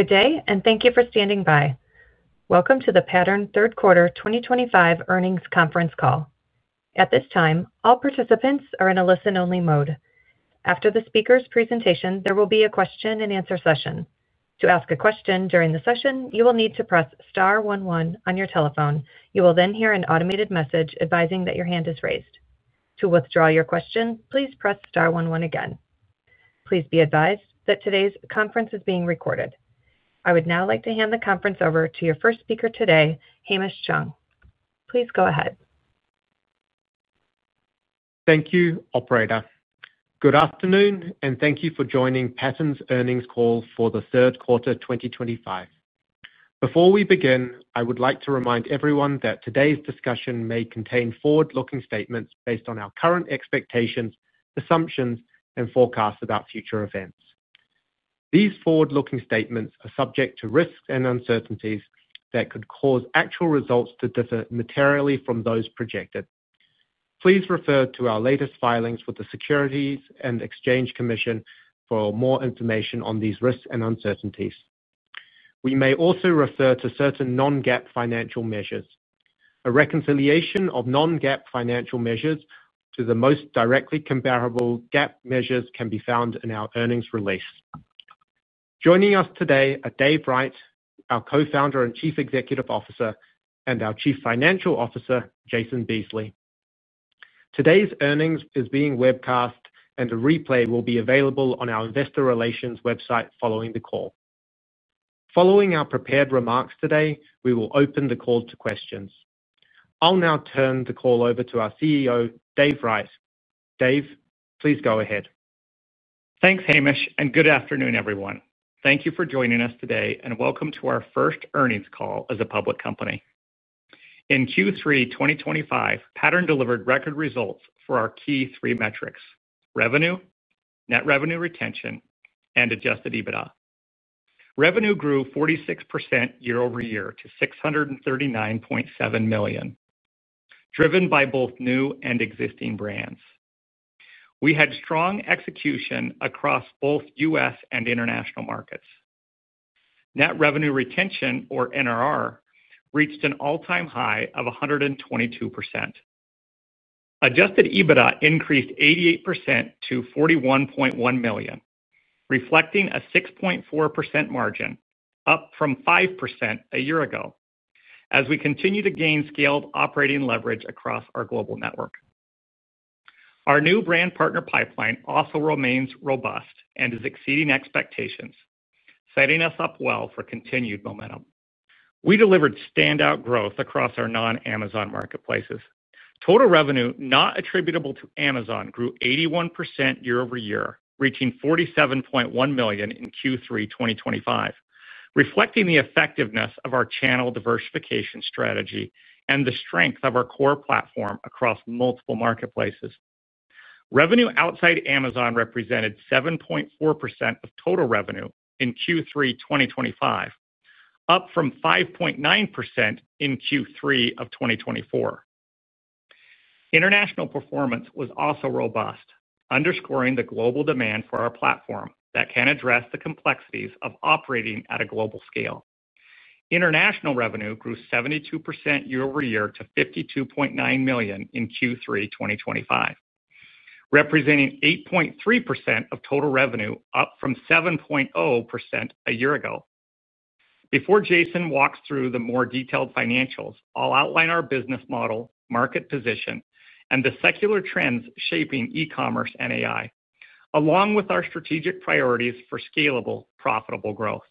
Good day, and thank you for standing by. Welcome to the Pattern third quarter 2025 earnings conference call. At this time, all participants are in a listen-only mode. After the speaker's presentation, there will be a question-and-answer session. To ask a question during the session, you will need to press star one one on your telephone. You will then hear an automated message advising that your hand is raised. To withdraw your question, please press star one one again. Please be advised that today's conference is being recorded. I would now like to hand the conference over to your first speaker today, Hamish Chung. Please go ahead. Thank you, Operator. Good afternoon, and thank you for joining Pattern's earnings call for the third quarter 2025. Before we begin, I would like to remind everyone that today's discussion may contain forward-looking statements based on our current expectations, assumptions, and forecasts about future events. These forward-looking statements are subject to risks and uncertainties that could cause actual results to differ materially from those projected. Please refer to our latest filings with the Securities and Exchange Commission for more information on these risks and uncertainties. We may also refer to certain non-GAAP financial measures. A reconciliation of non-GAAP financial measures to the most directly comparable GAAP measures can be found in our earnings release. Joining us today are Dave Wright, our Co-Founder and Chief Executive Officer, and our Chief Financial Officer, Jason Beesley. Today's earnings is being webcast, and a replay will be available on our Investor Relations website following the call. Following our prepared remarks today, we will open the call to questions. I'll now turn the call over to our CEO, Dave Wright. Dave, please go ahead. Thanks, Hamish, and good afternoon, everyone. Thank you for joining us today, and welcome to our first earnings call as a public company. In Q3 2025, Pattern delivered record results for our key three metrics: revenue, net revenue retention, and adjusted EBITDA. Revenue grew 46% year-over-year to $639.7 million, driven by both new and existing brands. We had strong execution across both U.S. and international markets. Net revenue retention, or NRR, reached an all-time high of 122%. Adjusted EBITDA increased 88% to $41.1 million, reflecting a 6.4% margin, up from 5% a year ago, as we continue to gain scaled operating leverage across our global network. Our new brand partner pipeline also remains robust and is exceeding expectations, setting us up well for continued momentum. We delivered standout growth across our non-Amazon marketplaces. Total revenue not attributable to Amazon grew 81% year-over-year, reaching $47.1 million in Q3 2025, reflecting the effectiveness of our channel diversification strategy and the strength of our core platform across multiple marketplaces. Revenue outside Amazon represented 7.4% of total revenue in Q3 2025, up from 5.9% in Q3 of 2024. International performance was also robust, underscoring the global demand for our platform that can address the complexities of operating at a global scale. International revenue grew 72% year-over-year to $52.9 million in Q3 2025, representing 8.3% of total revenue, up from 7.0% a year ago. Before Jason walks through the more detailed financials, I'll outline our business model, market position, and the secular trends shaping e-commerce and AI, along with our strategic priorities for scalable, profitable growth.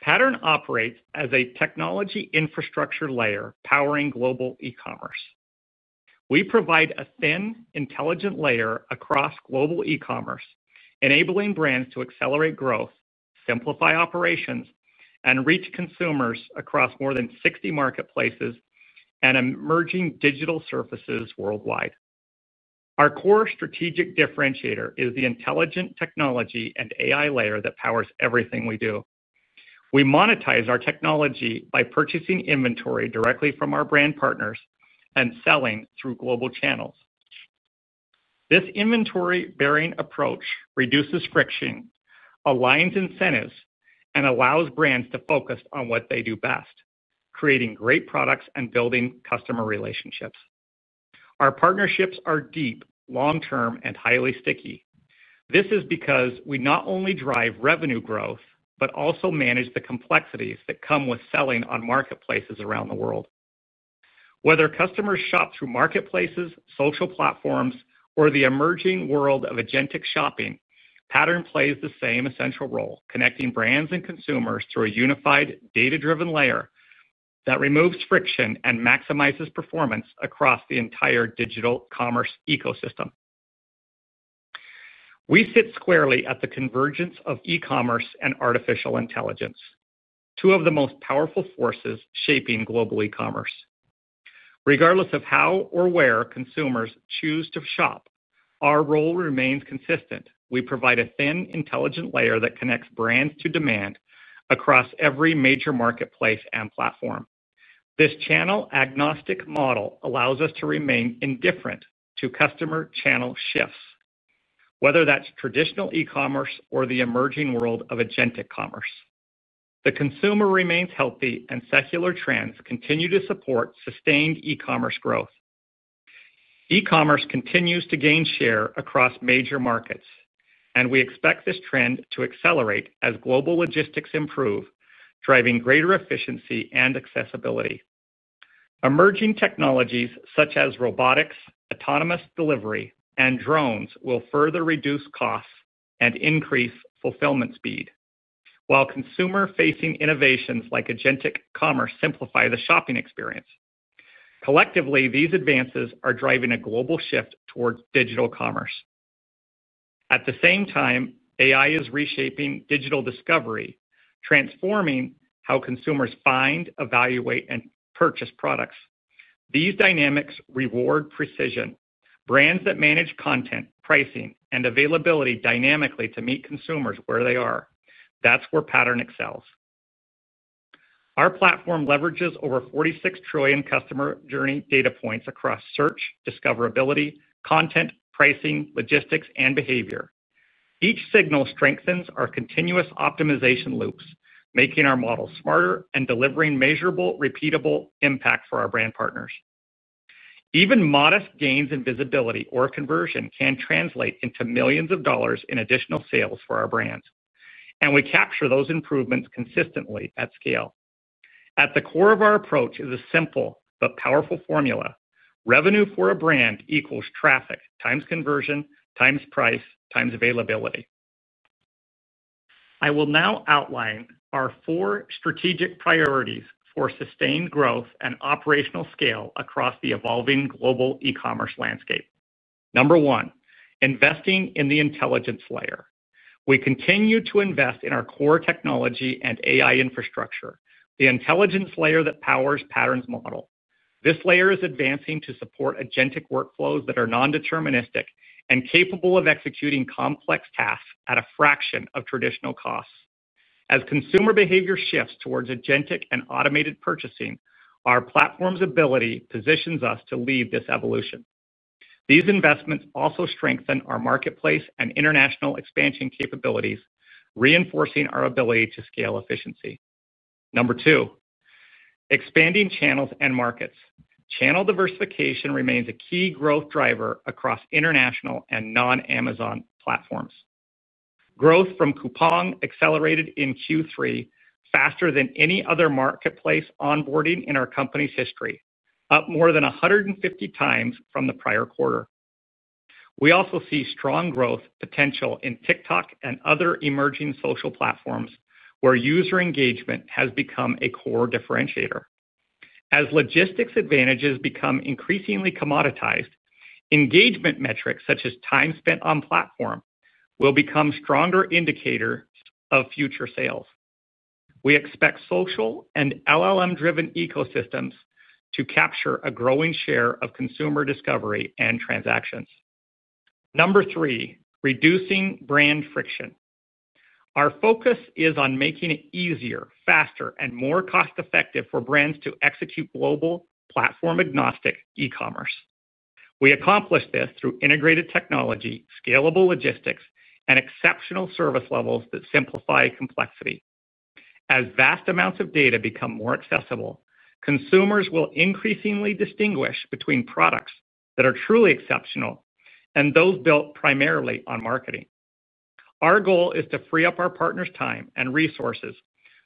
Pattern operates as a technology infrastructure layer powering global e-commerce. We provide a thin, intelligent layer across global e-commerce, enabling brands to accelerate growth, simplify operations, and reach consumers across more than 60 marketplaces and emerging digital surfaces worldwide. Our core strategic differentiator is the intelligent technology and AI layer that powers everything we do. We monetize our technology by purchasing inventory directly from our brand partners and selling through global channels. This inventory-bearing approach reduces friction, aligns incentives, and allows brands to focus on what they do best: creating great products and building customer relationships. Our partnerships are deep, long-term, and highly sticky. This is because we not only drive revenue growth but also manage the complexities that come with selling on marketplaces around the world. Whether customers shop through marketplaces, social platforms, or the emerging world of agentic shopping, Pattern plays the same essential role: connecting brands and consumers through a unified, data-driven layer that removes friction and maximizes performance across the entire digital commerce ecosystem. We sit squarely at the convergence of e-commerce and artificial intelligence, two of the most powerful forces shaping global e-commerce. Regardless of how or where consumers choose to shop, our role remains consistent: we provide a thin, intelligent layer that connects brands to demand across every major marketplace and platform. This channel-agnostic model allows us to remain indifferent to customer channel shifts, whether that's traditional e-commerce or the emerging world of agentic commerce. The consumer remains healthy, and secular trends continue to support sustained e-commerce growth. E-commerce continues to gain share across major markets, and we expect this trend to accelerate as global logistics improve, driving greater efficiency and accessibility. Emerging technologies such as robotics, autonomous delivery, and drones will further reduce costs and increase fulfillment speed, while consumer-facing innovations like agentic commerce simplify the shopping experience. Collectively, these advances are driving a global shift towards digital commerce. At the same time, AI is reshaping digital discovery, transforming how consumers find, evaluate, and purchase products. These dynamics reward precision. Brands that manage content, pricing, and availability dynamically to meet consumers where they are, that's where Pattern excels. Our platform leverages over 46 trillion customer journey data points across search, discoverability, content, pricing, logistics, and behavior. Each signal strengthens our continuous optimization loops, making our model smarter and delivering measurable, repeatable impact for our brand partners. Even modest gains in visibility or conversion can translate into millions of dollars in additional sales for our brands, and we capture those improvements consistently at scale. At the core of our approach is a simple but powerful formula: revenue for a brand equals traffic times conversion times price times availability. I will now outline our four strategic priorities for sustained growth and operational scale across the evolving global e-commerce landscape. Number one, investing in the intelligence layer. We continue to invest in our core technology and AI infrastructure, the intelligence layer that powers Pattern's model. This layer is advancing to support agentic workflows that are non-deterministic and capable of executing complex tasks at a fraction of traditional costs. As consumer behavior shifts towards agentic and automated purchasing, our platform's ability positions us to lead this evolution. These investments also strengthen our marketplace and international expansion capabilities, reinforcing our ability to scale efficiency. Number two. Expanding channels and markets. Channel diversification remains a key growth driver across international and non-Amazon platforms. Growth from Coupang accelerated in Q3 faster than any other marketplace onboarding in our company's history, up more than 150x from the prior quarter. We also see strong growth potential in TikTok and other emerging social platforms, where user engagement has become a core differentiator. As logistics advantages become increasingly commoditized, engagement metrics such as time spent on platform will become stronger indicators of future sales. We expect social and LLM-driven ecosystems to capture a growing share of consumer discovery and transactions. Number three, reducing brand friction. Our focus is on making it easier, faster, and more cost-effective for brands to execute global, platform-agnostic e-commerce. We accomplish this through integrated technology, scalable logistics, and exceptional service levels that simplify complexity. As vast amounts of data become more accessible, consumers will increasingly distinguish between products that are truly exceptional and those built primarily on marketing. Our goal is to free up our partners' time and resources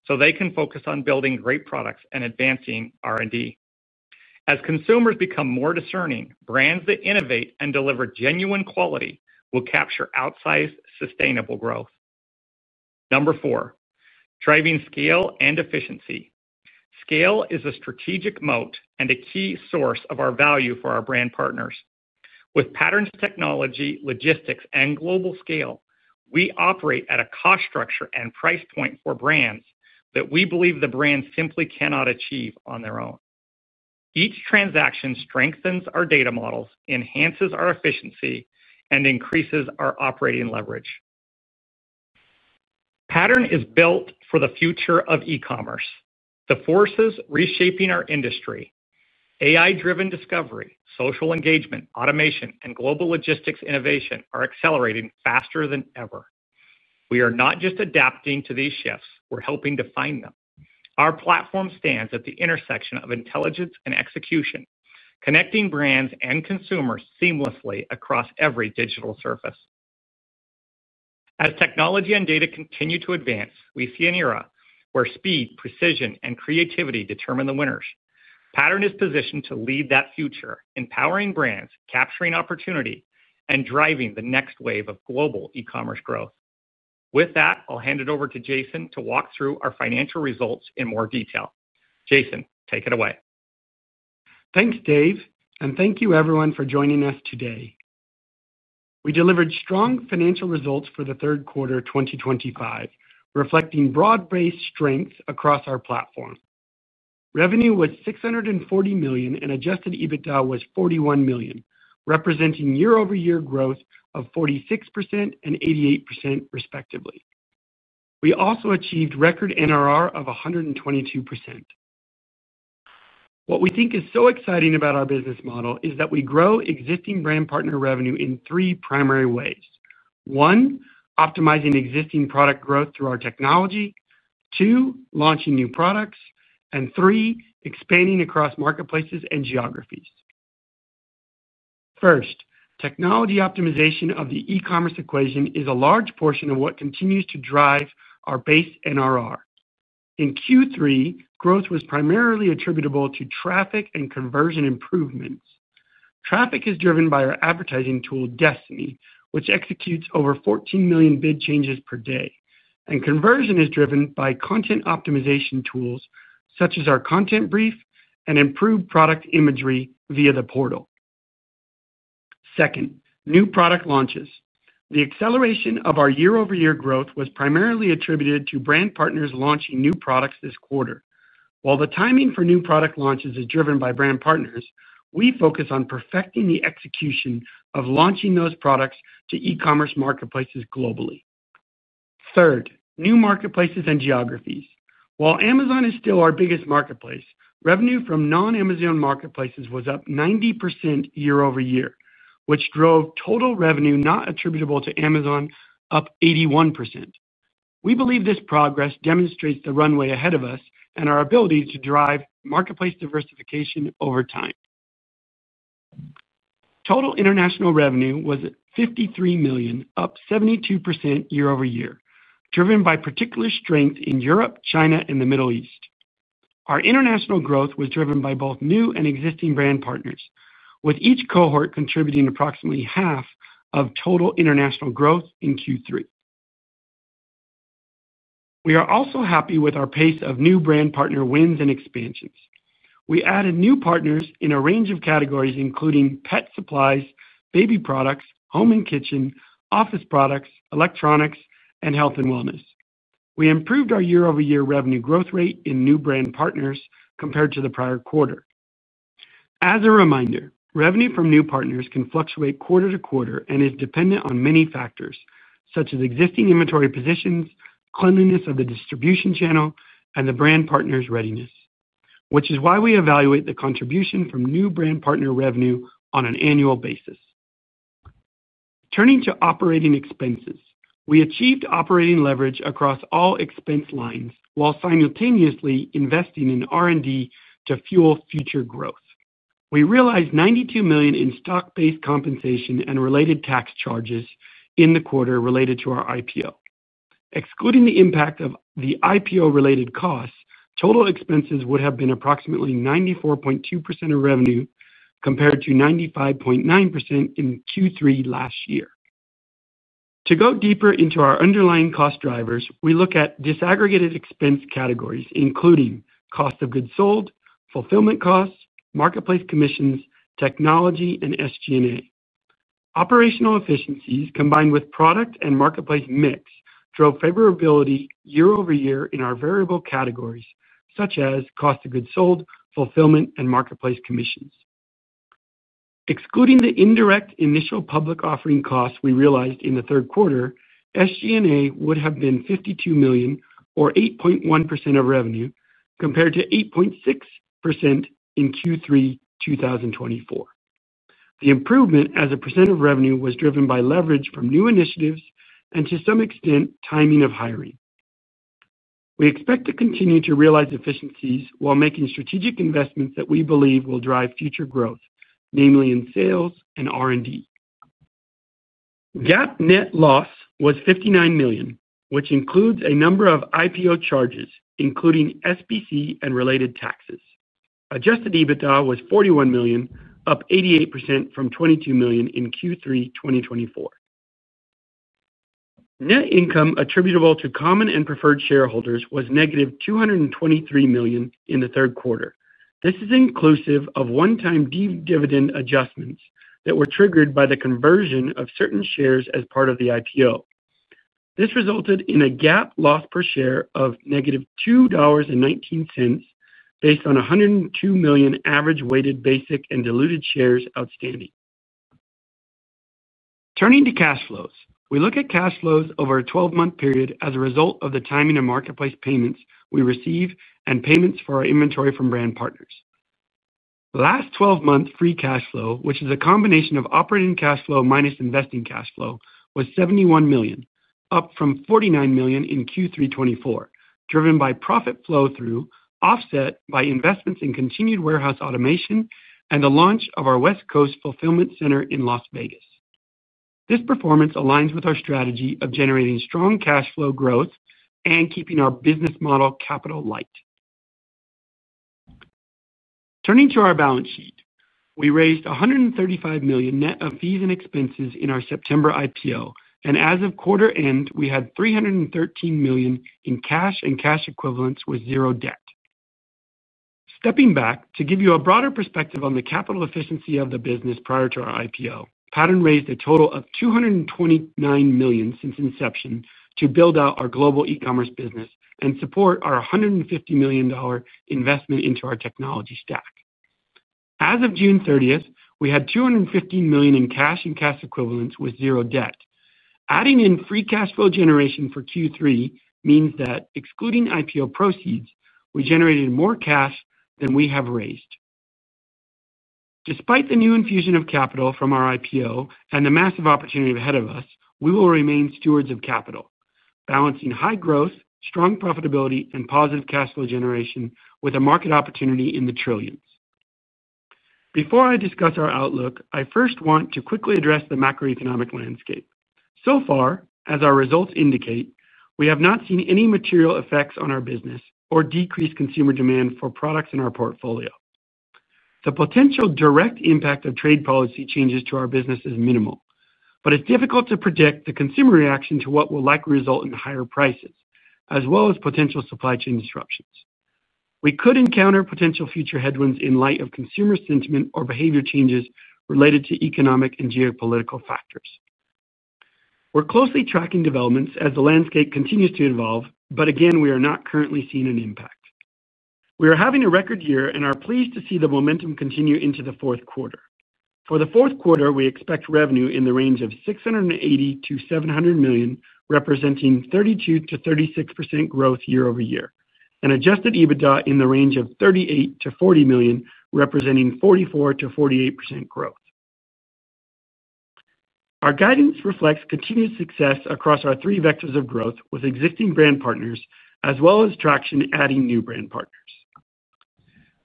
so they can focus on building great products and advancing R&D. As consumers become more discerning, brands that innovate and deliver genuine quality will capture outsized sustainable growth. Number four, driving scale and efficiency. Scale is a strategic moat and a key source of our value for our brand partners. With Pattern's technology, logistics, and global scale, we operate at a cost structure and price point for brands that we believe the brands simply cannot achieve on their own. Each transaction strengthens our data models, enhances our efficiency, and increases our operating leverage. Pattern is built for the future of e-commerce. The forces reshaping our industry—AI-driven discovery, social engagement, automation, and global logistics innovation—are accelerating faster than ever. We are not just adapting to these shifts; we're helping to find them. Our platform stands at the intersection of intelligence and execution, connecting brands and consumers seamlessly across every digital surface. As technology and data continue to advance, we see an era where speed, precision, and creativity determine the winners. Pattern is positioned to lead that future, empowering brands, capturing opportunity, and driving the next wave of global e-commerce growth. With that, I'll hand it over to Jason to walk through our financial results in more detail. Jason, take it away. Thanks, Dave, and thank you, everyone, for joining us today. We delivered strong financial results for the third quarter of 2025, reflecting broad-based strengths across our platform. Revenue was $640 million, and adjusted EBITDA was $41 million, representing year-over-year growth of 46% and 88%, respectively. We also achieved record NRR of 122%. What we think is so exciting about our business model is that we grow existing brand partner revenue in three primary ways: one, optimizing existing product growth through our technology; two, launching new products; and three, expanding across marketplaces and geographies. First, technology optimization of the e-commerce equation is a large portion of what continues to drive our base NRR. In Q3, growth was primarily attributable to traffic and conversion improvements. Traffic is driven by our advertising tool, Destiny, which executes over 14 million bid changes per day, and conversion is driven by content optimization tools such as our content brief and improved product imagery via the portal. Second, new product launches. The acceleration of our year-over-year growth was primarily attributed to brand partners launching new products this quarter. While the timing for new product launches is driven by brand partners, we focus on perfecting the execution of launching those products to e-commerce marketplaces globally. Third, new marketplaces and geographies. While Amazon is still our biggest marketplace, revenue from non-Amazon marketplaces was up 90% year-over-year, which drove total revenue not attributable to Amazon up 81%. We believe this progress demonstrates the runway ahead of us and our ability to drive marketplace diversification over time. Total international revenue was $53 million, up 72% year-over-year, driven by particular strengths in Europe, China, and the Middle East. Our international growth was driven by both new and existing brand partners, with each cohort contributing approximately half of total international growth in Q3. We are also happy with our pace of new brand partner wins and expansions. We added new partners in a range of categories, including pet supplies, baby products, home and kitchen, office products, electronics, and health and wellness. We improved our year-over-year revenue growth rate in new brand partners compared to the prior quarter. As a reminder, revenue from new partners can fluctuate quarter-to-quarter and is dependent on many factors, such as existing inventory positions, cleanliness of the distribution channel, and the brand partner's readiness, which is why we evaluate the contribution from new brand partner revenue on an annual basis. Turning to operating expenses, we achieved operating leverage across all expense lines while simultaneously investing in R&D to fuel future growth. We realized $92 million in stock-based compensation and related tax charges in the quarter related to our IPO. Excluding the impact of the IPO-related costs, total expenses would have been approximately 94.2% of revenue compared to 95.9% in Q3 last year. To go deeper into our underlying cost drivers, we look at disaggregated expense categories, including cost of goods sold, fulfillment costs, marketplace commissions, technology, and SG&A. Operational efficiencies, combined with product and marketplace mix, drove favorability year-over-year in our variable categories, such as cost of goods sold, fulfillment, and marketplace commissions. Excluding the indirect initial public offering costs we realized in the third quarter, SG&A would have been $52 million, or 8.1% of revenue, compared to 8.6% in Q3 2024. The improvement as a percent of revenue was driven by leverage from new initiatives and, to some extent, timing of hiring. We expect to continue to realize efficiencies while making strategic investments that we believe will drive future growth, namely in sales and R&D. GAAP net loss was $59 million, which includes a number of IPO charges, including SBC and related taxes. Adjusted EBITDA was $41 million, up 88% from $22 million in Q3 2024. Net income attributable to common and preferred shareholders was -$223 million in the third quarter. This is inclusive of one-time dividend adjustments that were triggered by the conversion of certain shares as part of the IPO. This resulted in a GAAP loss per share of -$2.19 based on 102 million average weighted basic and diluted shares outstanding. Turning to cash flows, we look at cash flows over a 12-month period as a result of the timing of marketplace payments we receive and payments for our inventory from brand partners. Last 12 months' free cash flow, which is a combination of operating cash flow minus investing cash flow, was $71 million, up from $49 million in Q3 2024, driven by profit flow-through offset by investments in continued warehouse automation and the launch of our West Coast Fulfillment Center in Las Vegas. This performance aligns with our strategy of generating strong cash flow growth and keeping our business model capital light. Turning to our balance sheet, we raised $135 million net of fees and expenses in our September IPO, and as of quarter end, we had $313 million in cash and cash equivalents with zero debt. Stepping back to give you a broader perspective on the capital efficiency of the business prior to our IPO, Pattern raised a total of $229 million since inception to build out our global e-commerce business and support our $150 million investment into our technology stack. As of June 30th, we had $215 million in cash and cash equivalents with zero debt. Adding in free cash flow generation for Q3 means that, excluding IPO proceeds, we generated more cash than we have raised. Despite the new infusion of capital from our IPO and the massive opportunity ahead of us, we will remain stewards of capital, balancing high growth, strong profitability, and positive cash flow generation with a market opportunity in the trillions. Before I discuss our outlook, I first want to quickly address the macroeconomic landscape. So far, as our results indicate, we have not seen any material effects on our business or decreased consumer demand for products in our portfolio. The potential direct impact of trade policy changes to our business is minimal, but it's difficult to predict the consumer reaction to what will likely result in higher prices, as well as potential supply chain disruptions. We could encounter potential future headwinds in light of consumer sentiment or behavior changes related to economic and geopolitical factors. We're closely tracking developments as the landscape continues to evolve, but again, we are not currently seeing an impact. We are having a record year and are pleased to see the momentum continue into the fourth quarter. For the fourth quarter, we expect revenue in the range of $680 million-$700 million, representing 32%-36% growth year-over-year, and adjusted EBITDA in the range of $38 million-$40 million, representing 44%-48% growth. Our guidance reflects continued success across our three vectors of growth with existing brand partners, as well as traction adding new brand partners.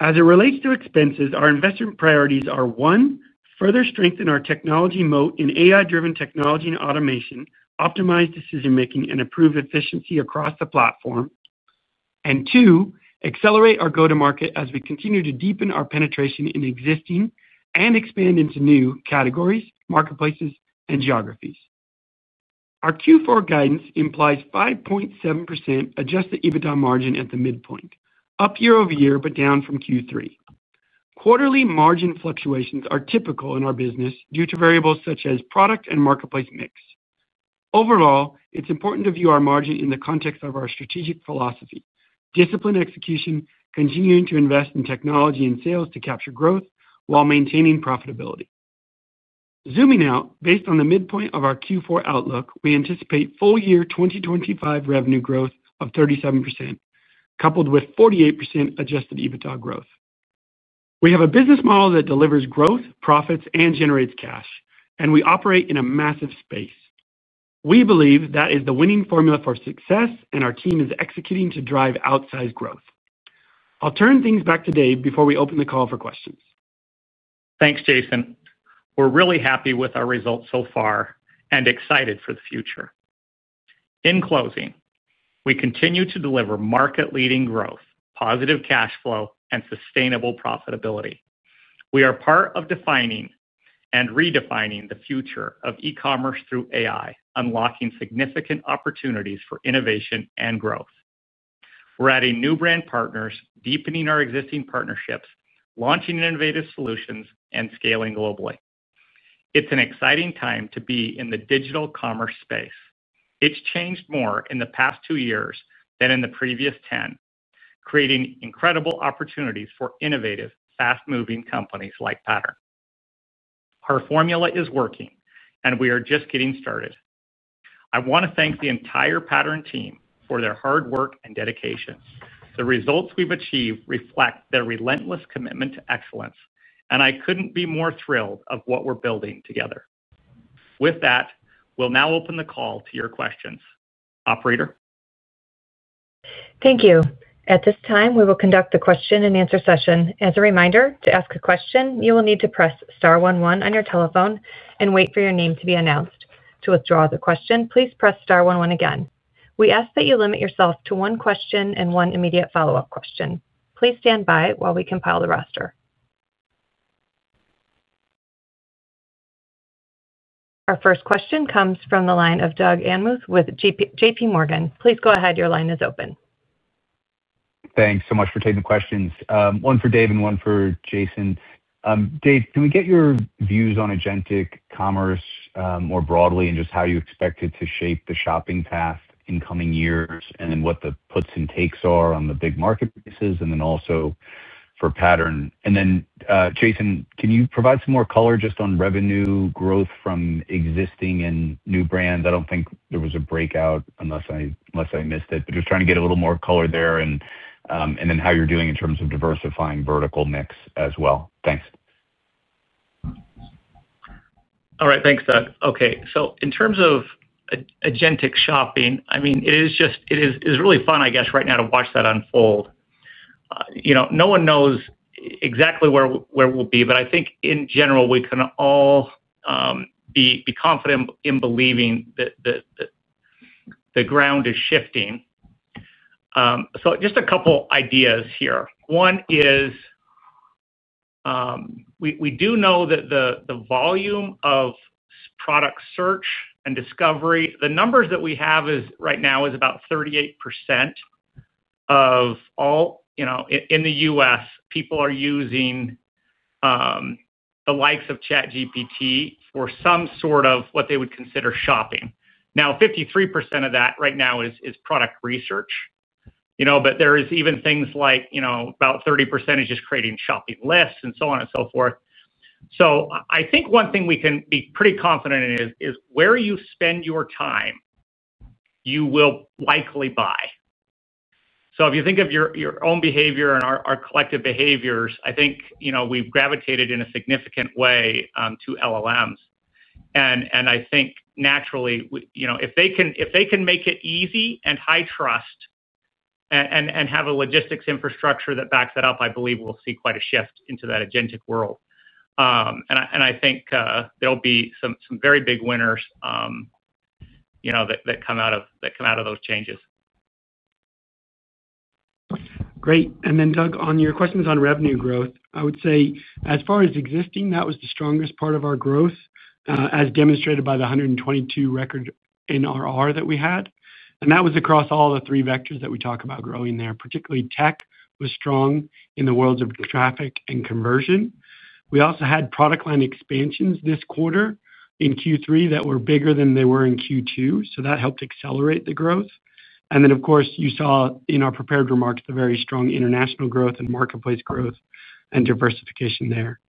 As it relates to expenses, our investment priorities are: one, further strengthen our technology moat in AI-driven technology and automation, optimize decision-making, and improve efficiency across the platform. Two, accelerate our go-to-market as we continue to deepen our penetration in existing and expand into new categories, marketplaces, and geographies. Our Q4 guidance implies 5.7% adjusted EBITDA margin at the midpoint, up year-over-year, but down from Q3. Quarterly margin fluctuations are typical in our business due to variables such as product and marketplace mix. Overall, it's important to view our margin in the context of our strategic philosophy: discipline execution, continuing to invest in technology and sales to capture growth while maintaining profitability. Zooming out, based on the midpoint of our Q4 outlook, we anticipate full-year 2025 revenue growth of 37%, coupled with 48% adjusted EBITDA growth. We have a business model that delivers growth, profits, and generates cash, and we operate in a massive space. We believe that is the winning formula for success, and our team is executing to drive outsized growth. I'll turn things back to Dave before we open the call for questions. Thanks, Jason. We're really happy with our results so far and excited for the future. In closing, we continue to deliver market-leading growth, positive cash flow, and sustainable profitability. We are part of defining and redefining the future of e-commerce through AI, unlocking significant opportunities for innovation and growth. We're adding new brand partners, deepening our existing partnerships, launching innovative solutions, and scaling globally. It's an exciting time to be in the digital commerce space. It's changed more in the past two years than in the previous ten, creating incredible opportunities for innovative, fast-moving companies like Pattern. Our formula is working, and we are just getting started. I want to thank the entire Pattern team for their hard work and dedication. The results we've achieved reflect their relentless commitment to excellence, and I couldn't be more thrilled with what we're building together. With that, we'll now open the call to your questions. Operator. Thank you. At this time, we will conduct the question-and-answer session. As a reminder, to ask a question, you will need to press star one one on your telephone and wait for your name to be announced. To withdraw the question, please press star one one again. We ask that you limit yourself to one question and one immediate follow-up question. Please stand by while we compile the roster. Our first question comes from the line of Doug Anmuth with JPMorgan. Please go ahead. Your line is open. Thanks so much for taking the questions. One for Dave and one for Jason. Dave, can we get your views on agentic commerce more broadly and just how you expect it to shape the shopping path in coming years and what the puts and takes are on the big marketplaces and then also for Pattern? And then, Jason, can you provide some more color just on revenue growth from existing and new brands? I do not think there was a breakout unless I missed it, but just trying to get a little more color there and then how you are doing in terms of diversifying vertical mix as well. Thanks. All right. Thanks, Doug. Okay. In terms of agentic shopping, I mean, it is really fun, I guess, right now to watch that unfold. No one knows exactly where we'll be, but I think, in general, we can all be confident in believing that the ground is shifting. Just a couple of ideas here. One is, we do know that the volume of product search and discovery, the numbers that we have right now is about 38% of all in the U.S., people are using the likes of ChatGPT for some sort of what they would consider shopping. Now, 53% of that right now is product research. There are even things like about 30% is just creating shopping lists and so on and so forth. I think one thing we can be pretty confident in is where you spend your time, you will likely buy. If you think of your own behavior and our collective behaviors, I think we've gravitated in a significant way to LLMs. I think, naturally, if they can make it easy and high trust and have a logistics infrastructure that backs that up, I believe we'll see quite a shift into that agentic world. I think there'll be some very big winners that come out of those changes. Great. Doug, on your questions on revenue growth, I would say, as far as existing, that was the strongest part of our growth, as demonstrated by the 122% record NRR that we had. That was across all the three vectors that we talk about growing there. Particularly, tech was strong in the worlds of traffic and conversion. We also had product line expansions this quarter in Q3 that were bigger than they were in Q2, so that helped accelerate the growth. Of course, you saw in our prepared remarks the very strong international growth and marketplace growth and diversification there.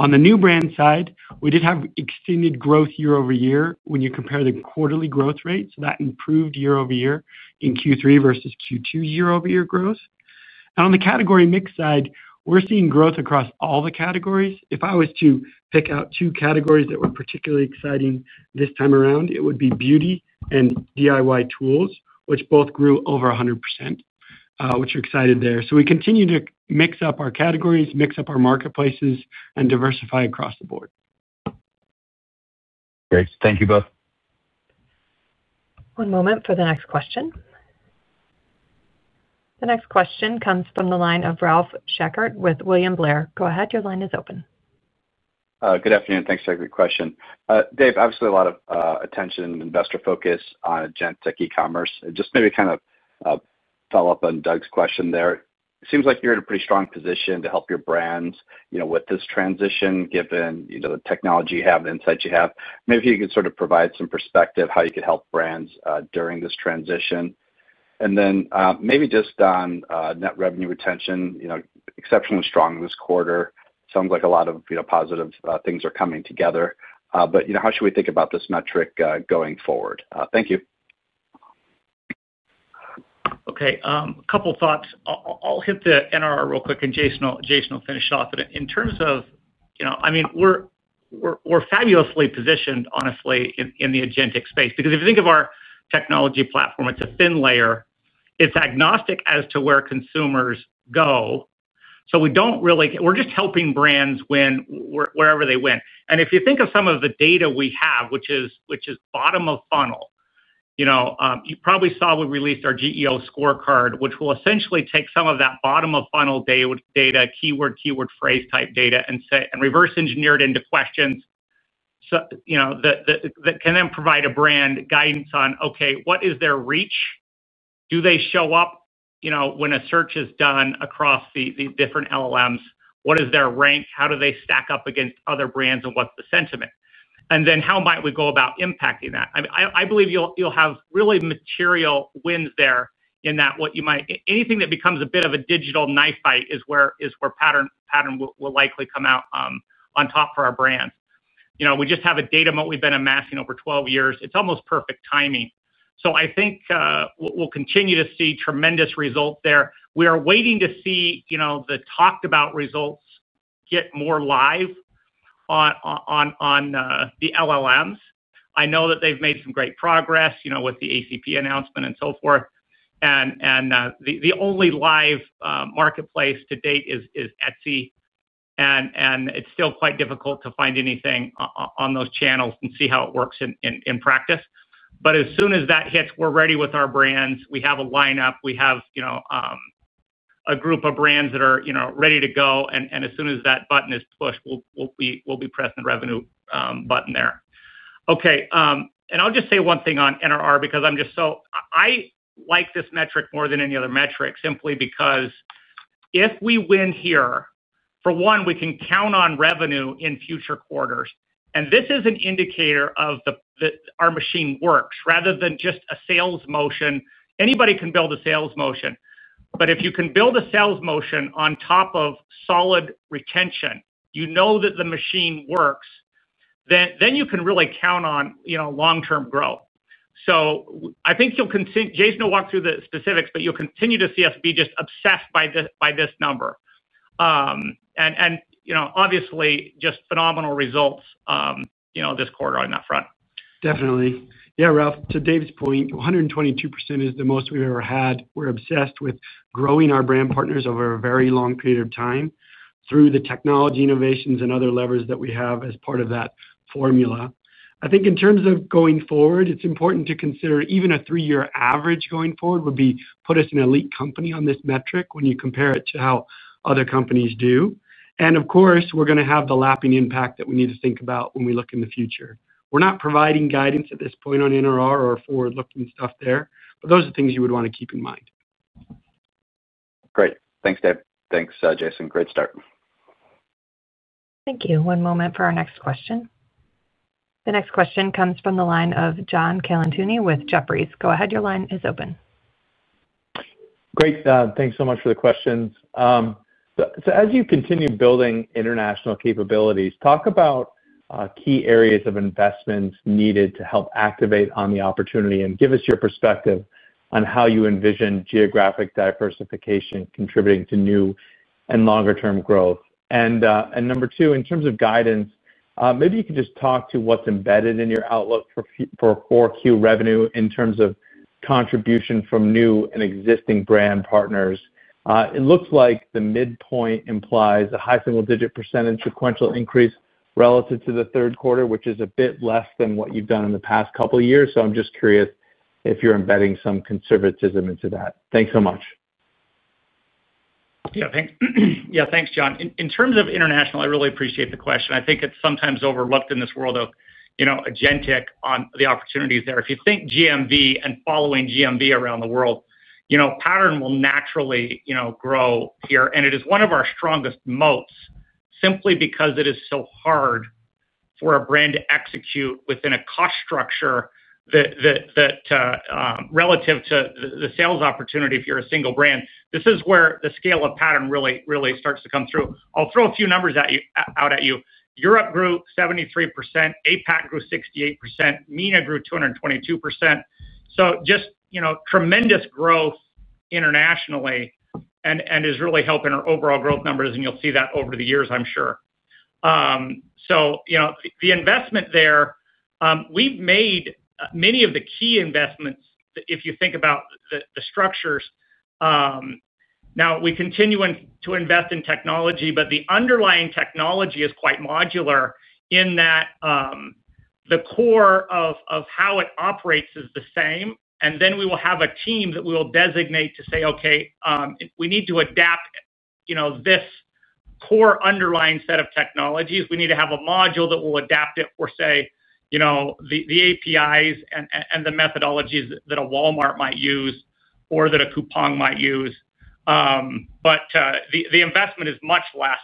On the new brand side, we did have extended growth year-over-year when you compare the quarterly growth rate. That improved year-over-year in Q3 versus Q2 year-over-year growth. On the category mix side, we're seeing growth across all the categories. If I was to pick out two categories that were particularly exciting this time around, it would be beauty and DIY tools, which both grew over 100%, which are excited there. We continue to mix up our categories, mix up our marketplaces, and diversify across the board. Great. Thank you both. One moment for the next question. The next question comes from the line of Ralph Schackart with William Blair. Go ahead. Your line is open. Good afternoon. Thanks for the question. Dave, obviously, a lot of attention and investor focus on agentic e-commerce. Just maybe kind of follow up on Doug's question there. It seems like you're in a pretty strong position to help your brands with this transition, given the technology you have, the insights you have. Maybe if you could sort of provide some perspective on how you could help brands during this transition. And then maybe just on net revenue retention, exceptionally strong this quarter. Sounds like a lot of positive things are coming together. But how should we think about this metric going forward? Thank you. Okay. A couple of thoughts. I'll hit the NRR real quick, and Jason will finish off. In terms of. I mean, we're fabulously positioned, honestly, in the agentic space. Because if you think of our technology platform, it's a thin layer. It's agnostic as to where consumers go. We don't really—we're just helping brands wherever they went. If you think of some of the data we have, which is bottom-of-funnel. You probably saw we released our GEO Scorecard, which will essentially take some of that bottom-of-funnel data, keyword, keyword phrase type data, and reverse engineer it into questions. That can then provide a brand guidance on, okay, what is their reach? Do they show up when a search is done across the different LLMs? What is their rank? How do they stack up against other brands? And what's the sentiment? How might we go about impacting that? I believe you'll have really material wins there in that what you might—anything that becomes a bit of a digital knife fight is where Pattern will likely come out on top for our brands. We just have a data moat we've been amassing over 12 years. It's almost perfect timing. I think we'll continue to see tremendous results there. We are waiting to see the talked-about results get more live. On the LLMs. I know that they've made some great progress with the ACP announcement and so forth. The only live marketplace to date is Etsy. It's still quite difficult to find anything on those channels and see how it works in practice. As soon as that hits, we're ready with our brands. We have a lineup. We have. A group of brands that are ready to go. As soon as that button is pushed, we'll be pressing the revenue button there. Okay. I'll just say one thing on NRR because I'm just so—I like this metric more than any other metric simply because if we win here, for one, we can count on revenue in future quarters. This is an indicator of our machine works rather than just a sales motion. Anybody can build a sales motion. If you can build a sales motion on top of solid retention, you know that the machine works. You can really count on long-term growth. I think you'll continue—Jason will walk through the specifics, but you'll continue to see us be just obsessed by this number. Obviously, just phenomenal results this quarter on that front. Definitely. Yeah, Ralph, to Dave's point, 122% is the most we've ever had. We're obsessed with growing our brand partners over a very long period of time through the technology innovations and other levers that we have as part of that formula. I think in terms of going forward, it's important to consider even a three-year average going forward would put us in an elite company on this metric when you compare it to how other companies do. Of course, we're going to have the lapping impact that we need to think about when we look in the future. We're not providing guidance at this point on NRR or forward-looking stuff there, but those are things you would want to keep in mind. Great. Thanks, Dave. Thanks, Jason. Great start. Thank you. One moment for our next question. The next question comes from the line of John Colantuoni with Jefferies. Go ahead. Your line is open. Great. Thanks so much for the questions. As you continue building international capabilities, talk about key areas of investments needed to help activate on the opportunity and give us your perspective on how you envision geographic diversification contributing to new and longer-term growth. Number two, in terms of guidance, maybe you could just talk to what's embedded in your outlook for core Q revenue in terms of contribution from new and existing brand partners. It looks like the midpoint implies a high single-digit percentage sequential increase relative to the third quarter, which is a bit less than what you've done in the past couple of years. I'm just curious if you're embedding some conservatism into that. Thanks so much. Yeah. Thanks, John. In terms of international, I really appreciate the question. I think it's sometimes overlooked in this world of agentic on the opportunities there. If you think GMV and following GMV around the world. Pattern will naturally grow here. It is one of our strongest moats simply because it is so hard for a brand to execute within a cost structure that, relative to the sales opportunity, if you're a single brand. This is where the scale of Pattern really starts to come through. I'll throw a few numbers out at you. Europe grew 73%. APAC grew 68%. MENA grew 222%. Just tremendous growth internationally and is really helping our overall growth numbers. You'll see that over the years, I'm sure. The investment there, we've made many of the key investments if you think about the structures. Now, we continue to invest in technology, but the underlying technology is quite modular in that the core of how it operates is the same. Then we will have a team that we will designate to say, "Okay, we need to adapt this core underlying set of technologies. We need to have a module that will adapt it for, say, the APIs and the methodologies that a Walmart might use or that a Coupang might use." The investment is much less.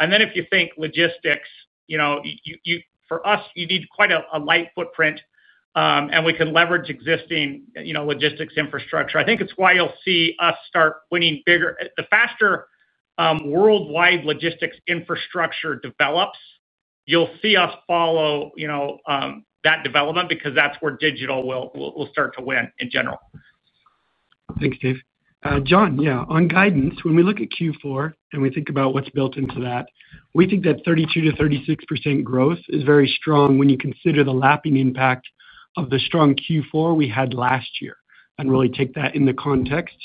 If you think logistics, for us, you need quite a light footprint, and we can leverage existing logistics infrastructure. I think it is why you will see us start winning bigger. The faster worldwide logistics infrastructure develops, you will see us follow that development because that is where digital will start to win in general. Thanks, Dave. John, yeah, on guidance, when we look at Q4 and we think about what's built into that, we think that 32%-36% growth is very strong when you consider the lapping impact of the strong Q4 we had last year and really take that in the context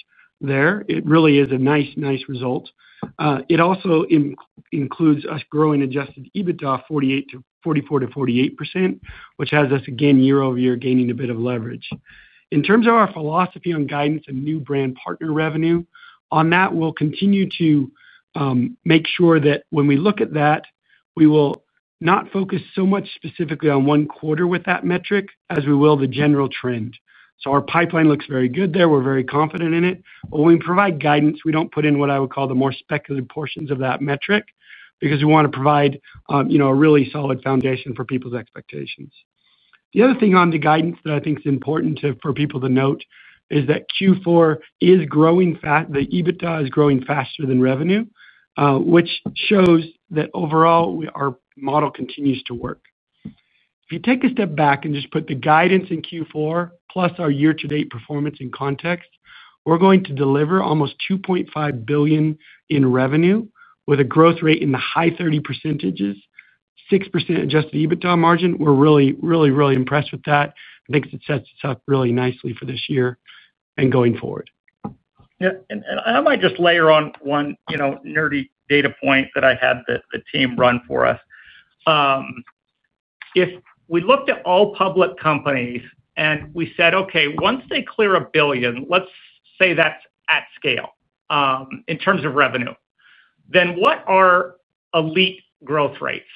there. It really is a nice, nice result. It also includes us growing adjusted EBITDA 44%-48%, which has us, again, year-over-year gaining a bit of leverage. In terms of our philosophy on guidance and new brand partner revenue, on that, we'll continue to make sure that when we look at that, we will not focus so much specifically on one quarter with that metric as we will the general trend. Our pipeline looks very good there. We're very confident in it. When we provide guidance, we do not put in what I would call the more speculative portions of that metric because we want to provide a really solid foundation for people's expectations. The other thing on the guidance that I think is important for people to note is that Q4 is growing, the EBITDA is growing faster than revenue, which shows that overall our model continues to work. If you take a step back and just put the guidance in Q4 plus our year-to-date performance in context, we are going to deliver almost $2.5 billion in revenue with a growth rate in the high 30% range, 6% adjusted EBITDA margin. We are really, really, really impressed with that. I think it sets us up really nicely for this year and going forward. Yeah. I might just layer on one nerdy data point that I had the team run for us. If we looked at all public companies and we said, "Okay, once they clear $1 billion, let's say that's at scale. In terms of revenue, then what are elite growth rates?"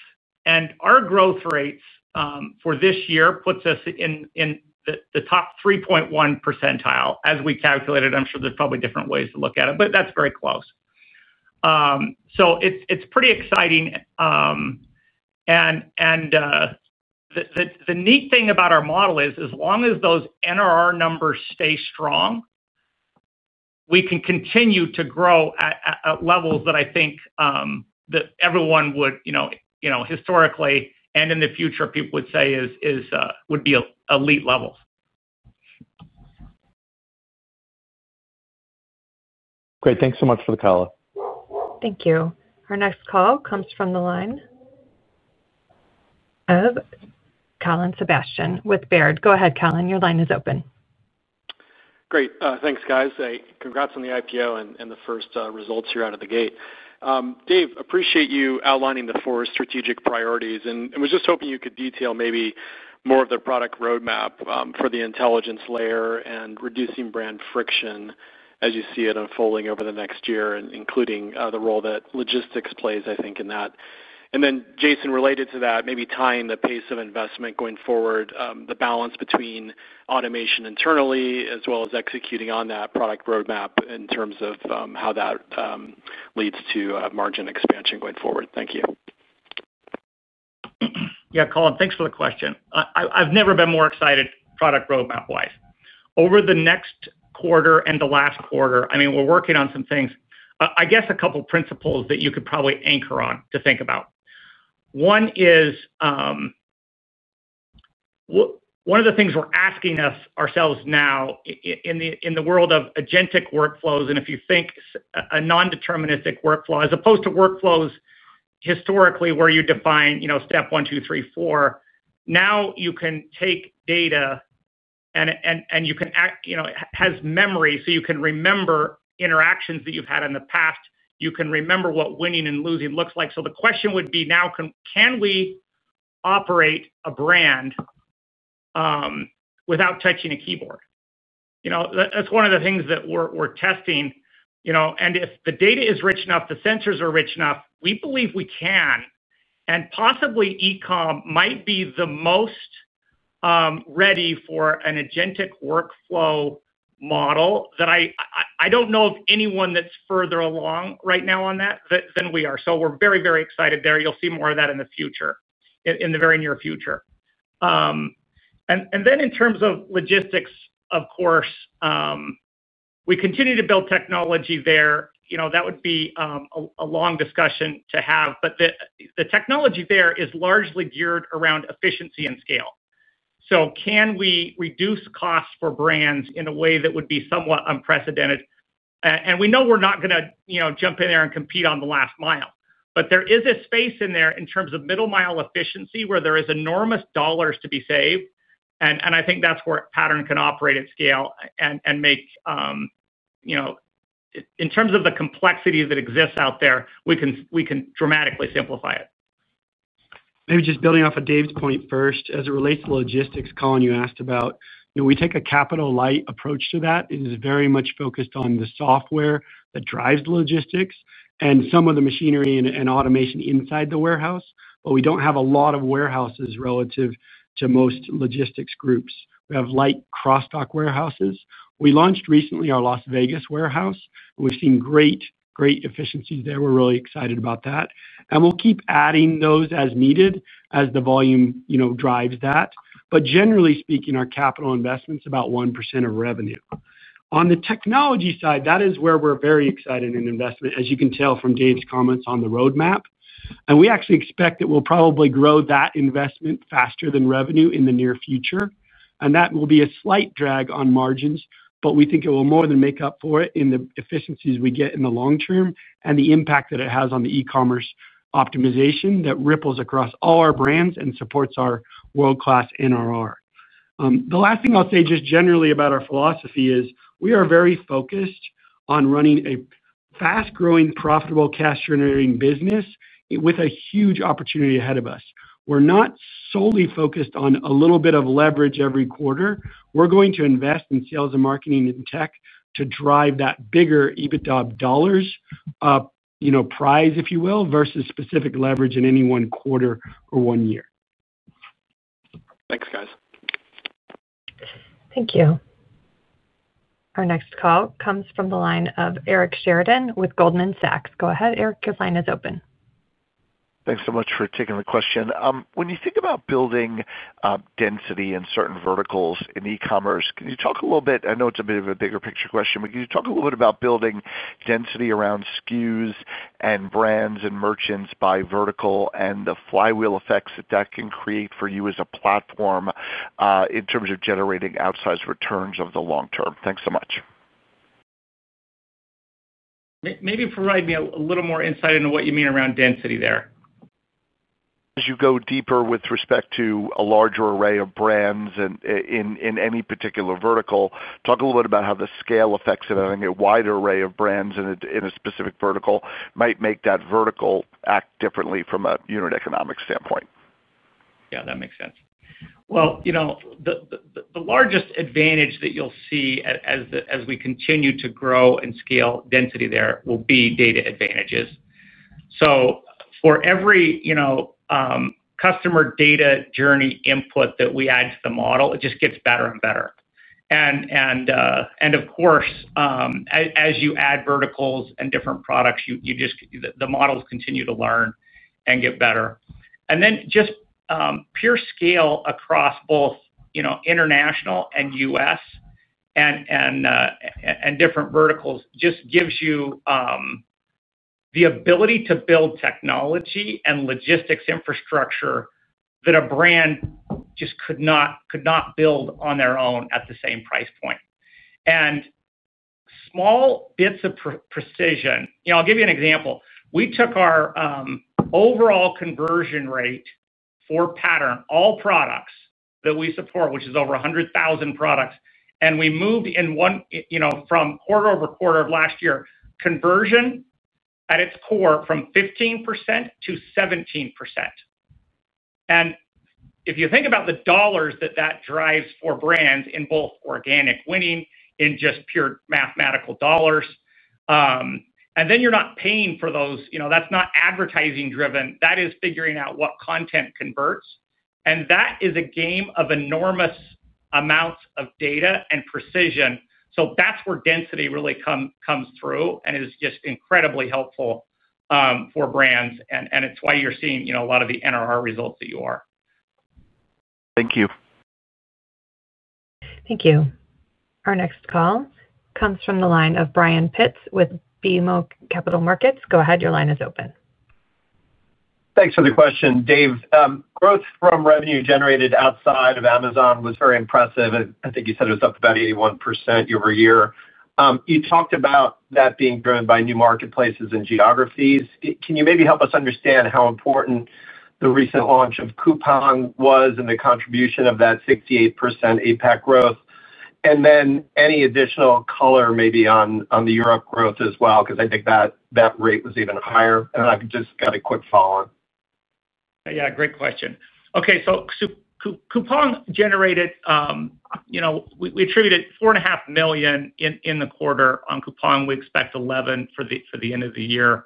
Our growth rates for this year puts us in the top 3.1% as we calculate it. I'm sure there's probably different ways to look at it, but that's very close. It's pretty exciting. The neat thing about our model is as long as those NRR numbers stay strong, we can continue to grow at levels that I think everyone would. Historically and in the future, people would say would be elite levels. Great. Thanks so much for the color. Thank you. Our next call comes from the line of Colin Sebastian with Baird. Go ahead, Colin. Your line is open. Great. Thanks, guys. Congrats on the IPO and the first results here out of the gate. Dave, appreciate you outlining the four strategic priorities. I was just hoping you could detail maybe more of the product roadmap for the intelligence layer and reducing brand friction as you see it unfolding over the next year, including the role that logistics plays, I think, in that. Jason, related to that, maybe tying the pace of investment going forward, the balance between automation internally as well as executing on that product roadmap in terms of how that leads to margin expansion going forward. Thank you. Yeah, Colin, thanks for the question. I've never been more excited product roadmap-wise. Over the next quarter and the last quarter, I mean, we're working on some things, I guess a couple of principles that you could probably anchor on to think about. One is, one of the things we're asking ourselves now in the world of agentic workflows, and if you think a non-deterministic workflow as opposed to workflows historically where you define step one, two, three, four, now you can take data and you can act as memory so you can remember interactions that you've had in the past. You can remember what winning and losing looks like. The question would be now, can we operate a brand without touching a keyboard? That's one of the things that we're testing. If the data is rich enough, the sensors are rich enough, we believe we can. Possibly e-com might be the most ready for an agentic workflow model. I do not know of anyone that is further along right now on that than we are. We are very, very excited there. You will see more of that in the future, in the very near future. In terms of logistics, of course, we continue to build technology there. That would be a long discussion to have, but the technology there is largely geared around efficiency and scale. Can we reduce costs for brands in a way that would be somewhat unprecedented? We know we are not going to jump in there and compete on the last mile. There is a space in there in terms of middle-mile efficiency where there are enormous dollars to be saved. I think that is where Pattern can operate at scale and make. In terms of the complexity that exists out there, we can dramatically simplify it. Maybe just building off of Dave's point first, as it relates to logistics, Colin, you asked about, we take a capital light approach to that. It is very much focused on the software that drives the logistics and some of the machinery and automation inside the warehouse. We do not have a lot of warehouses relative to most logistics groups. We have light cross-dock warehouses. We launched recently our Las Vegas warehouse. We have seen great efficiencies there. We are really excited about that. We will keep adding those as needed as the volume drives that. Generally speaking, our capital investment is about 1% of revenue. On the technology side, that is where we are very excited in investment, as you can tell from Dave's comments on the roadmap. We actually expect that we will probably grow that investment faster than revenue in the near future. That will be a slight drag on margins, but we think it will more than make up for it in the efficiencies we get in the long term and the impact that it has on the e-commerce optimization that ripples across all our brands and supports our world-class NRR. The last thing I'll say just generally about our philosophy is we are very focused on running a fast-growing, profitable, cash-generating business. With a huge opportunity ahead of us. We are not solely focused on a little bit of leverage every quarter. We are going to invest in sales and marketing and tech to drive that bigger EBITDA dollars. Prize, if you will, versus specific leverage in any one quarter or one year. Thanks, guys. Thank you. Our next call comes from the line of Eric Sheridan with Goldman Sachs. Go ahead, Eric. Your line is open. Thanks so much for taking the question. When you think about building density in certain verticals in e-commerce, can you talk a little bit? I know it's a bit of a bigger picture question, but can you talk a little bit about building density around SKUs and brands and merchants by vertical and the flywheel effects that that can create for you as a platform in terms of generating outsized returns over the long term? Thanks so much. Maybe provide me a little more insight into what you mean around density there. As you go deeper with respect to a larger array of brands in any particular vertical, talk a little bit about how the scale effects of having a wider array of brands in a specific vertical might make that vertical act differently from a unit economic standpoint. Yeah, that makes sense. The largest advantage that you'll see as we continue to grow and scale density there will be data advantages. For every customer data journey input that we add to the model, it just gets better and better. Of course, as you add verticals and different products, the models continue to learn and get better. Just pure scale across both international and U.S. and different verticals just gives you the ability to build technology and logistics infrastructure that a brand just could not build on their own at the same price point. Small bits of precision. I'll give you an example. We took our overall conversion rate for Pattern, all products that we support, which is over 100,000 products, and we moved in one from quarter-over-quarter of last year, conversion at its core from 15% to 17%. If you think about the dollars that that drives for brands in both organic winning and just pure mathematical dollars. Then you're not paying for those. That's not advertising-driven. That is figuring out what content converts. That is a game of enormous amounts of data and precision. That is where density really comes through and is just incredibly helpful for brands. It is why you're seeing a lot of the NRR results that you are. Thank you. Thank you. Our next call comes from the line of Brian Pitz with BMO Capital Markets. Go ahead. Your line is open. Thanks for the question, Dave. Growth from revenue generated outside of Amazon was very impressive. I think you said it was up about 81% year-over-year. You talked about that being driven by new marketplaces and geographies. Can you maybe help us understand how important the recent launch of Coupang was and the contribution of that 68% APAC growth? Any additional color maybe on the Europe growth as well, because I think that rate was even higher. I just got a quick follow-on. Yeah, great question. Okay. So. Coupang generated. We attributed $4.5 million in the quarter on Coupang. We expect $11 million for the end of the year.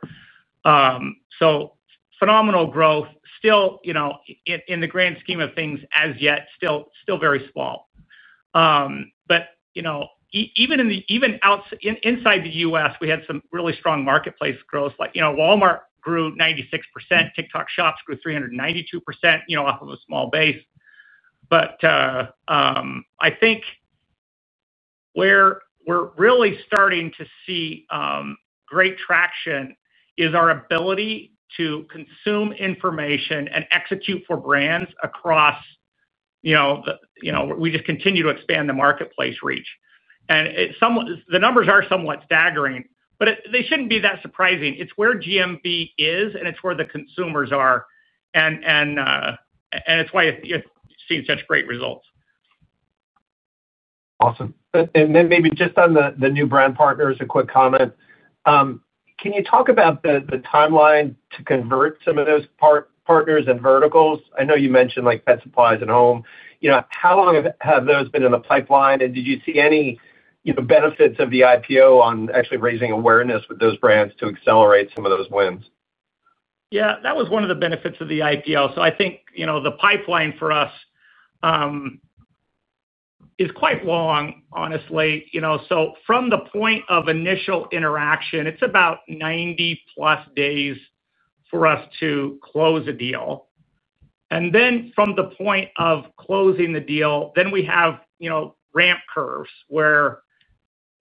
Phenomenal growth. Still. In the grand scheme of things, as yet, still very small. Even inside the U.S., we had some really strong marketplace growth. Walmart grew 96%. TikTok Shop grew 392% off of a small base. I think. Where we're really starting to see. Great traction is our ability to consume information and execute for brands across. We just continue to expand the marketplace reach. The numbers are somewhat staggering, but they should not be that surprising. It is where GMV is, and it is where the consumers are. It is why you have seen such great results. Awesome. Maybe just on the new brand partners, a quick comment. Can you talk about the timeline to convert some of those partners and verticals? I know you mentioned pet supplies and home. How long have those been in the pipeline? Did you see any benefits of the IPO on actually raising awareness with those brands to accelerate some of those wins? Yeah, that was one of the benefits of the IPO. I think the pipeline for us is quite long, honestly. From the point of initial interaction, it's about 90+ days for us to close a deal. From the point of closing the deal, we have ramp curves where,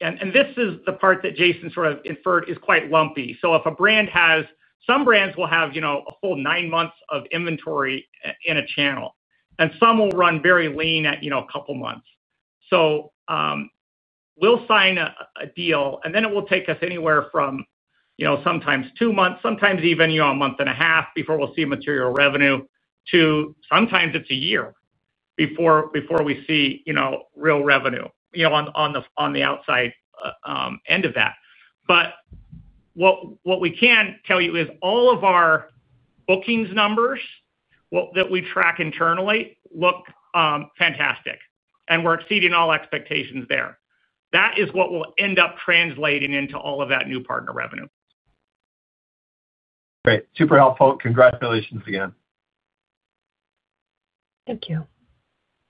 and this is the part that Jason sort of inferred, it is quite lumpy. If a brand has, some brands will have a full nine months of inventory in a channel, and some will run very lean at a couple of months. We'll sign a deal, and then it will take us anywhere from sometimes two months, sometimes even a month and a half before we'll see material revenue, to sometimes it's a year before we see real revenue on the outside end of that. What we can tell you is all of our bookings numbers that we track internally look fantastic. We are exceeding all expectations there. That is what will end up translating into all of that new partner revenue. Great. Super helpful. Congratulations again. Thank you.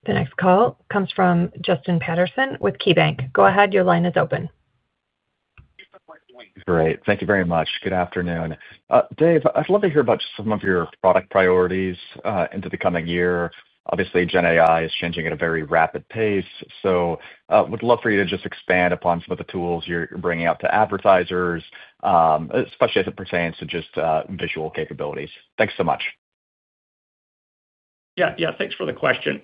The next call comes from Justin Patterson with KeyBanc. Go ahead. Your line is open. Great. Thank you very much. Good afternoon. Dave, I'd love to hear about some of your product priorities into the coming year. Obviously, GenAI is changing at a very rapid pace. So would love for you to just expand upon some of the tools you're bringing out to advertisers. Especially as it pertains to just visual capabilities. Thanks so much. Yeah, yeah. Thanks for the question.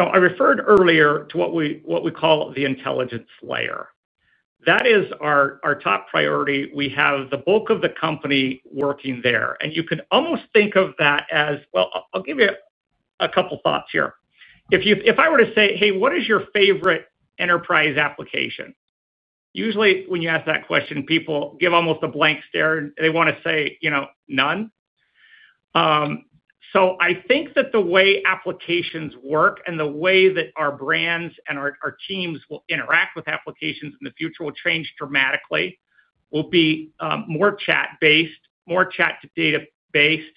I referred earlier to what we call the intelligence layer. That is our top priority. We have the bulk of the company working there. You could almost think of that as, well, I'll give you a couple of thoughts here. If I were to say, "Hey, what is your favorite enterprise application?" Usually, when you ask that question, people give almost a blank stare. They want to say, "None." I think that the way applications work and the way that our brands and our teams will interact with applications in the future will change dramatically, will be more chat-based, more chat-to-data-based.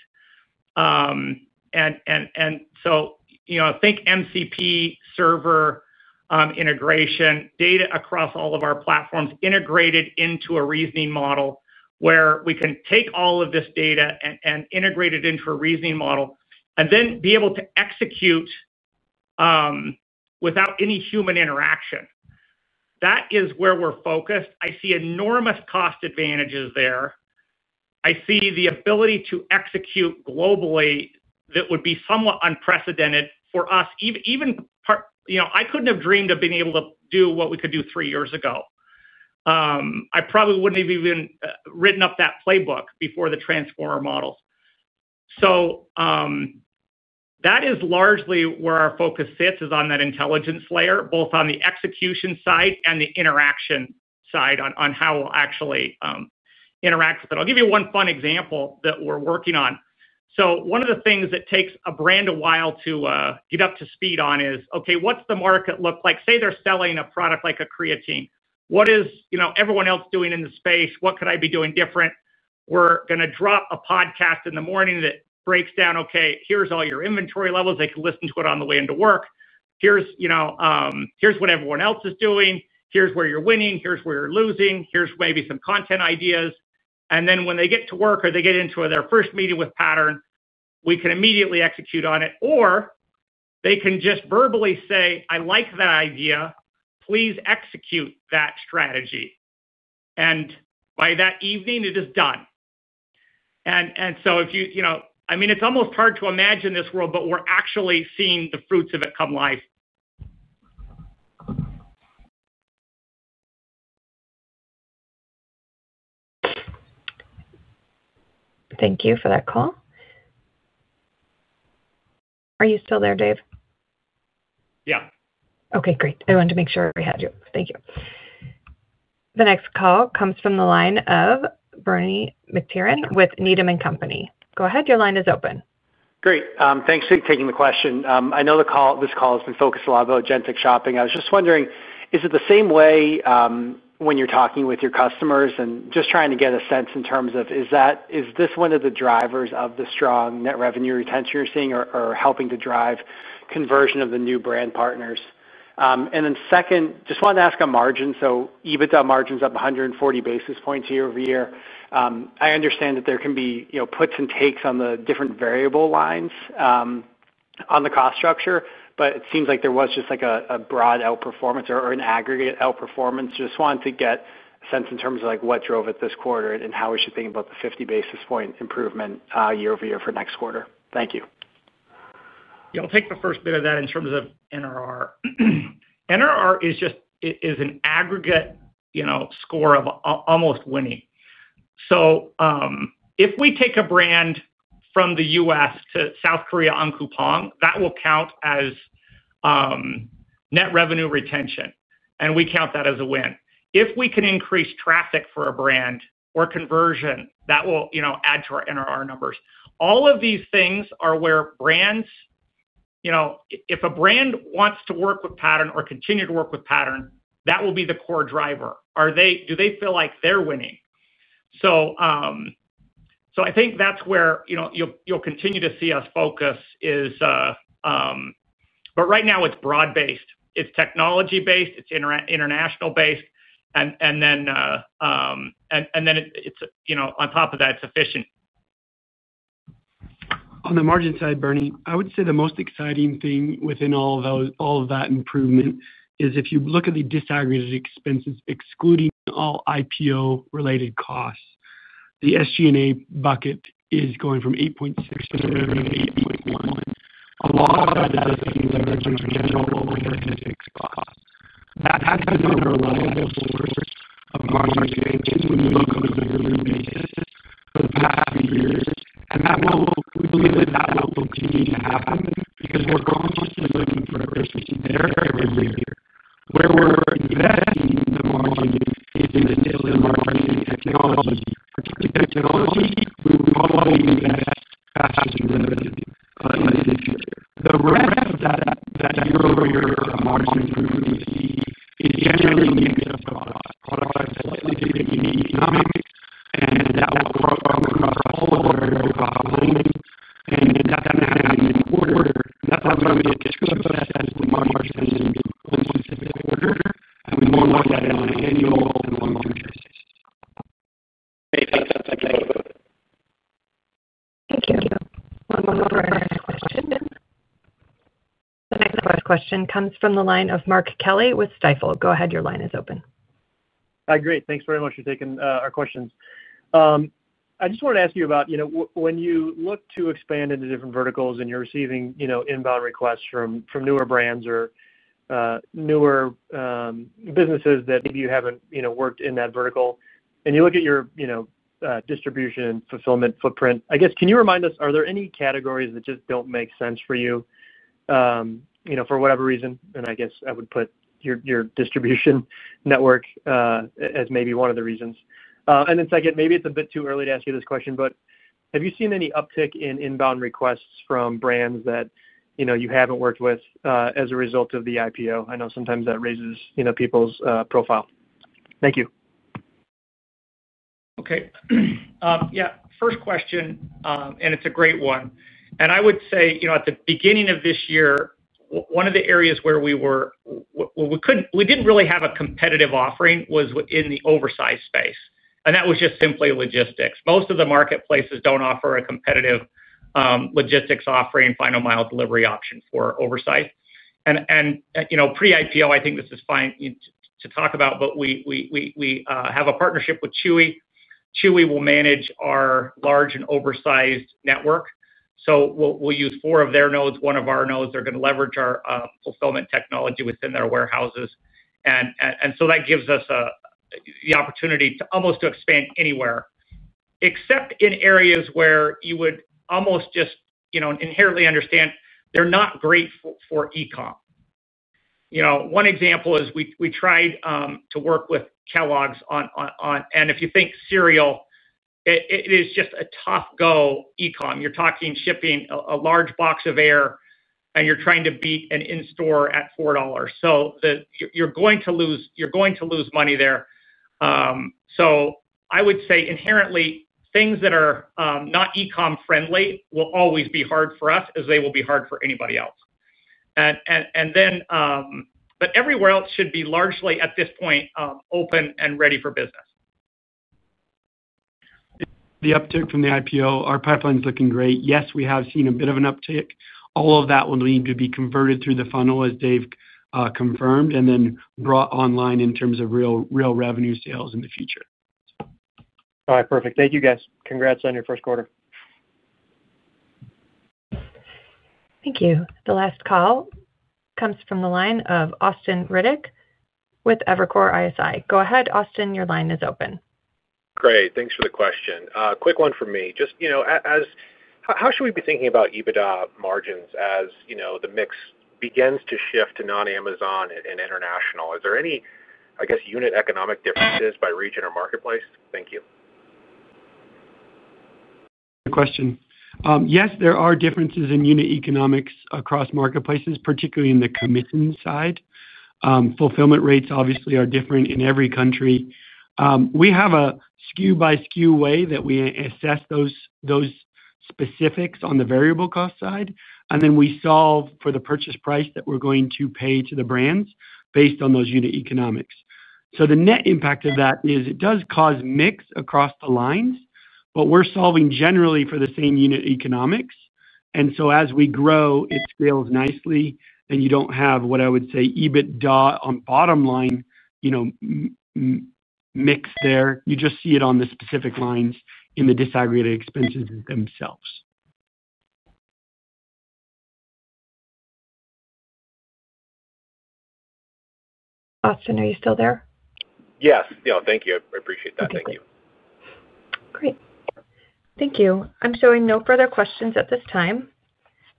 Think MCP server. Integration, data across all of our platforms integrated into a reasoning model where we can take all of this data and integrate it into a reasoning model and then be able to execute. Without any human interaction. That is where we're focused. I see enormous cost advantages there. I see the ability to execute globally that would be somewhat unprecedented for us. Even, I couldn't have dreamed of being able to do what we could do three years ago. I probably wouldn't have even written up that playbook before the transformer models. That is largely where our focus sits, is on that intelligence layer, both on the execution side and the interaction side on how we'll actually interact with it. I'll give you one fun example that we're working on. One of the things that takes a brand a while to get up to speed on is, "Okay, what's the market look like?" Say they're selling a product like a creatine. What is everyone else doing in the space? What could I be doing different? We're going to drop a podcast in the morning that breaks down, "Okay, here's all your inventory levels. They can listen to it on the way into work. Here's what everyone else is doing. Here's where you're winning. Here's where you're losing. Here's maybe some content ideas." When they get to work or they get into their first meeting with Pattern, we can immediately execute on it. Or they can just verbally say, "I like that idea. Please execute that strategy." By that evening, it is done. If you, I mean, it's almost hard to imagine this world, but we're actually seeing the fruits of it come life. Thank you for that call. Are you still there, Dave? Yeah. Okay, great. I wanted to make sure I had you. Thank you. The next call comes from the line of Bernie McTernan with Needham & Company. Go ahead. Your line is open. Great. Thanks for taking the question. I know this call has been focused a lot about agentic shopping. I was just wondering, is it the same way when you're talking with your customers and just trying to get a sense in terms of, is this one of the drivers of the strong net revenue retention you're seeing or helping to drive conversion of the new brand partners? Second, just wanted to ask on margin. EBITDA margin's up 140 basis points year-over-year. I understand that there can be puts and takes on the different variable lines on the cost structure, but it seems like there was just a broad outperformance or an aggregate outperformance. Just wanted to get a sense in terms of what drove it this quarter and how we should think about the 50 basis point improvement year-over-year for next quarter. Thank you. Yeah, I'll take the first bit of that in terms of NRR. NRR is an aggregate score of almost winning. If we take a brand from the U.S. to South Korea on Coupang, that will count as net revenue retention. And we count that as a win. If we can increase traffic for a brand or conversion, that will add to our NRR numbers. All of these things are where brands—if a brand wants to work with Pattern or continue to work with Pattern, that will be the core driver. Do they feel like they're winning? I think that's where you'll continue to see us focus. Right now, it's broad-based. It's technology-based. It's international-based. On top of that, it's efficient. On the margin side, Bernie, I would say the most exciting thing within all of that improvement is if you look at the disaggregated expenses, excluding all IPO-related costs, the SG&A bucket is going from 8.6% to 8.1%. A lot of that is being leveraged on our general global agentic costs. That has been under a lot of the force of margin expansion when you look on a regular basis for the past few years. We believe that that will continue to happen because we're constantly looking for a crisis there every year. Where we're investing the margin is in the sales and marketing technology. Particularly technology, we will probably invest faster than we've done in the past. The rest of that year-over-year margin improvement we see is generally mixed up across slightly different unique economics, and that will grow across all of our variable costs. That does not have any important order. That is why we are going to be a bit too obsessed with margin expansion in one specific order. We will not look at it on an annual and long-term basis. Great. That's excellent. Thank you. One more question. The next question comes from the line of Mark Kelley with Stifel. Go ahead. Your line is open. Hi, great. Thanks very much for taking our questions. I just wanted to ask you about when you look to expand into different verticals and you're receiving inbound requests from newer brands or newer businesses that maybe you haven't worked in that vertical, and you look at your distribution and fulfillment footprint, I guess, can you remind us, are there any categories that just don't make sense for you for whatever reason? I guess I would put your distribution network as maybe one of the reasons. Second, maybe it's a bit too early to ask you this question, but have you seen any uptick in inbound requests from brands that you haven't worked with as a result of the IPO? I know sometimes that raises people's profile. Thank you. Okay. Yeah. First question, and it's a great one. I would say at the beginning of this year, one of the areas where we didn't really have a competitive offering was in the oversize space. That was just simply logistics. Most of the marketplaces don't offer a competitive logistics offering, final mile delivery option for oversize. Pre-IPO, I think this is fine to talk about, but we have a partnership with Chewy. Chewy will manage our large and oversized network. We'll use four of their nodes, one of our nodes. They're going to leverage our fulfillment technology within their warehouses. That gives us the opportunity to almost expand anywhere, except in areas where you would almost just inherently understand they're not great for e-comm. One example is we tried to work with Kellogg's. If you think cereal, it is just a tough-go e-comm. You're talking shipping a large box of air, and you're trying to beat an in-store at $4. You're going to lose money there. I would say inherently, things that are not e-comm-friendly will always be hard for us as they will be hard for anybody else. Everywhere else should be largely, at this point, open and ready for business. The uptick from the IPO, our pipeline is looking great. Yes, we have seen a bit of an uptick. All of that will need to be converted through the funnel, as Dave confirmed, and then brought online in terms of real revenue sales in the future. All right. Perfect. Thank you, guys. Congrats on your first quarter. Thank you. The last call comes from the line of Austin Riddick with Evercore ISI. Go ahead, Austin. Your line is open. Great. Thanks for the question. Quick one for me. How should we be thinking about EBITDA margins as the mix begins to shift to non-Amazon and international? Are there any, I guess, unit economic differences by region or marketplace? Thank you. Good question. Yes, there are differences in unit economics across marketplaces, particularly in the commission side. Fulfillment rates, obviously, are different in every country. We have a SKU-by-SKU way that we assess those specifics on the variable cost side. Then we solve for the purchase price that we're going to pay to the brands based on those unit economics. The net impact of that is it does cause mix across the lines, but we're solving generally for the same unit economics. As we grow, it scales nicely, and you don't have what I would say EBITDA on bottom line mix there. You just see it on the specific lines in the disaggregated expenses themselves. Austin, are you still there? Yes. Thank you. I appreciate that. Thank you. Great. Thank you. I'm showing no further questions at this time.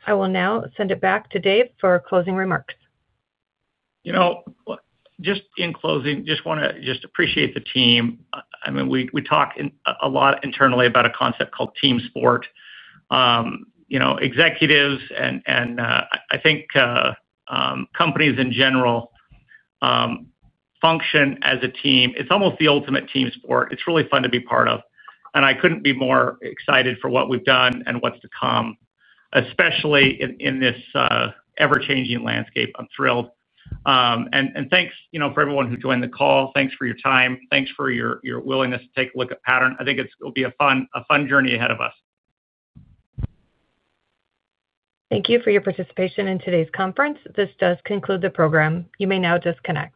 I will now send it back to Dave for closing remarks. Just in closing, just want to just appreciate the team. I mean, we talk a lot internally about a concept called team sport. Executives and I think companies in general function as a team. It's almost the ultimate team sport. It's really fun to be part of. I couldn't be more excited for what we've done and what's to come, especially in this ever-changing landscape. I'm thrilled. Thanks for everyone who joined the call. Thanks for your time. Thanks for your willingness to take a look at Pattern. I think it'll be a fun journey ahead of us. Thank you for your participation in today's conference. This does conclude the program. You may now disconnect.